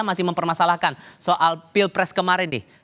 masih mempermasalahkan soal pilpres kemarin nih